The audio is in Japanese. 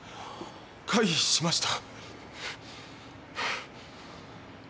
回避しました。